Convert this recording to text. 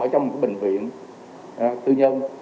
trong một cái bệnh viện tư nhân